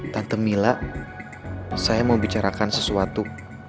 tante mila saya mau bicarakan sesuatu